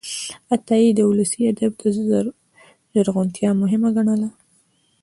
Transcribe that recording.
عطایي د ولسي ادب ژغورنه مهمه ګڼله.